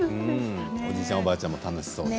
おじいちゃん、おばあちゃんも楽しそう。